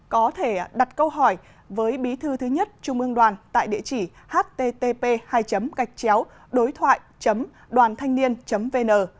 có thể đặt câu hỏi với bí thư thứ nhất trung ương đoàn tại địa chỉ http đoithoai doanthanhnien vn